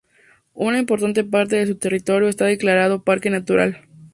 Una importante parte de su territorio está declarado parque natural.